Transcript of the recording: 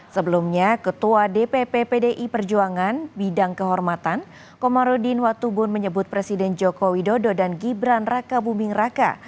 sebelumnya ketua dpp pdi perjuangan bidang kehormatan komarudin watubun menyebut presiden joko widodo dan gibran raka buming raka